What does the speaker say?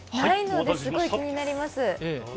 ないので、すごい気になります。